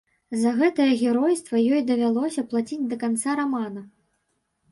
За гэтае геройства ёй давялося плаціць да канца рамана.